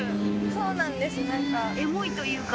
そうなんですなんか。